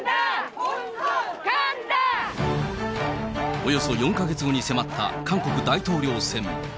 およそ４か月後に迫った韓国大統領選。